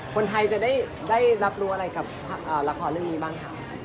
คนไทยจะได้รับรู้อะไรกับละครเรื่องนี้บ้างคะ